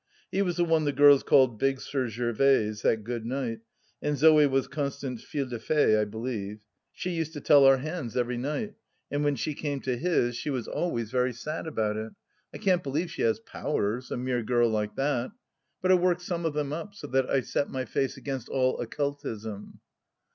He was the one the girls called " Big Sir Gervaise, that good knight," and Zoe was Constance Fille de fay, I believe. She used to tell our hands every THE LAST DITCH 86 night, and when she came to his she was always very sad about it. I can't believe she has powers — a mere girl like that I But it worked some of them up so that I set my face against all occultism.